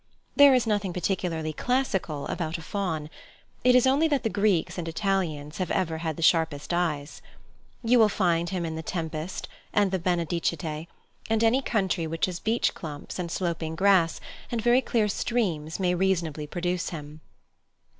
There is nothing particularly classical about a faun: it is only that the Greeks and Italians have ever had the sharpest eyes. You will find him in the "Tempest" and the "Benedicite;" and any country which has beech clumps and sloping grass and very clear streams may reasonably produce him.